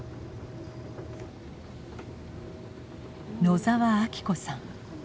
野澤明子さん